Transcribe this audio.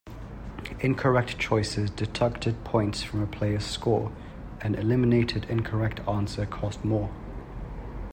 Incorrect choices deducted points from a player's score; an eliminated incorrect answer cost more.